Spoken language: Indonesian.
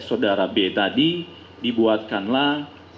saudara b tadi dibuatkanlah